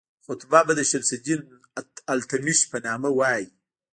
خطبه به د شمس الدین التمش په نامه وایي.